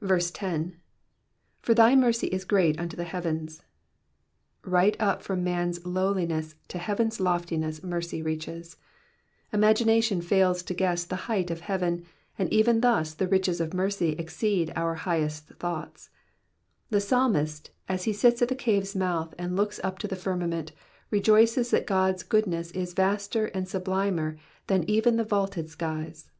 10. ^''For thy mercy is great unto the heavens,''^ Right up from man's lowliness to heaven's loftiness mercy reaches. Imagination fails to guess the height of heaven, and even thus the riches of mercy exceed our highest thoughts. The psalmist, as he sits at the cave's mouth and looks up to the firmament, rejoices that God's goodness is vaster and sublimer than even the vaulted skies.